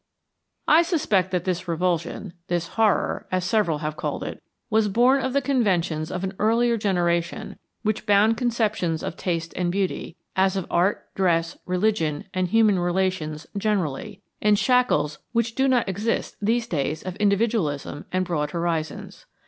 I suspect that this repulsion, this horror, as several have called it, was born of the conventions of an earlier generation which bound conceptions of taste and beauty, as of art, dress, religion, and human relations generally, in shackles which do not exist in these days of individualism and broad horizons.